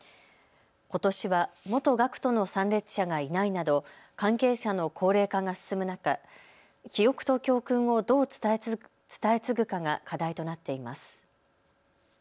ことしは元学徒の参列者がいないなど関係者の高齢化が進む中、記憶と教訓をどう伝え継ぐかが課題となっています。